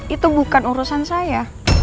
itu bukan urusan saya